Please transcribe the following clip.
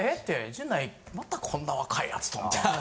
陣内またこんな若いヤツとみたいな。